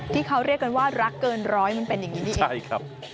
ที่เขาเรียกกันว่ารักเกินร้อยมันเป็นอย่างนี้อีก